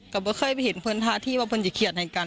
ก็ไม่เคยเห็นเพื่อนท่าที่ว่าเพื่อนจะเครียดให้กัน